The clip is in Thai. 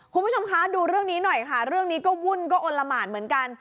คุณผู้ชมคะดูเรื่องนี้หน่อยค่ะเรื่องนี้ก็วุ่นก็อลละหมานเหมือนกัน